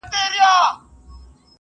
وخت تنظيم کړه،